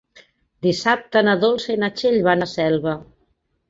Dissabte na Dolça i na Txell van a Selva.